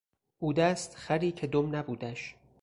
بودست خری که دم نبودش...